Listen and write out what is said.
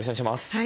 はい。